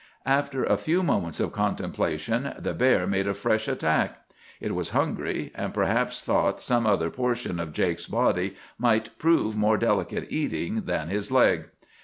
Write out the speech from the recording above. "After a few moments of contemplation, the bear made a fresh attack. It was hungry, and perhaps thought some other portion of Jake's body might prove more delicate eating than his leg.